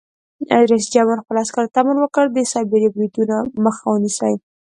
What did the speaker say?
رئیس جمهور خپلو عسکرو ته امر وکړ؛ د سایبري بریدونو مخه ونیسئ!